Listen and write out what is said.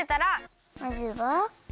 まずは。